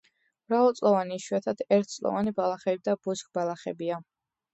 მრავალწლოვანი, იშვიათად ერთწლოვანი ბალახები და ბუჩქბალახებია.